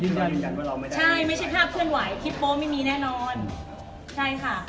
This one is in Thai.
ยืนยันว่าเราไม่ใช่ใช่ไม่ใช่ภาพเคลื่อนไหวคลิปโป๊ไม่มีแน่นอนใช่ค่ะ